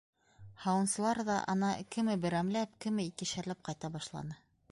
Һауынсылар ҙа, ана, кеме берәмләп, кеме икешәрләп ҡайта башланы.